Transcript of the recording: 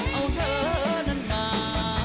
เอาเธอนั้นมา